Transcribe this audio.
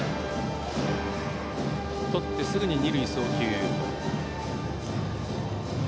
とってすぐに二塁に送球。